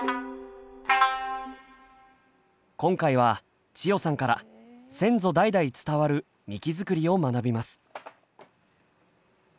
今回は千代さんから先祖代々伝わるみき作りを学びます。